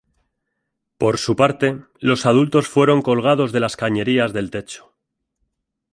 Por su parte, los adultos fueron colgados de las cañerías del techo.